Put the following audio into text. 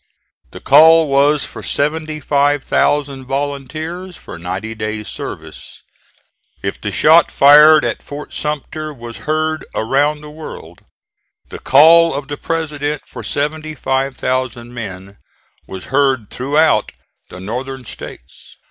The call was for 75,000 volunteers for ninety days' service. If the shot fired at Fort Sumter "was heard around the world," the call of the President for 75,000 men was heard throughout the Northern States.